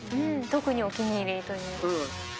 特にお気に入りという。